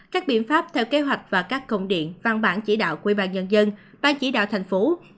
các biện pháp theo kế hoạch và các công điện văn bản chỉ đạo quy bàn nhân dân bàn chỉ đạo thành phố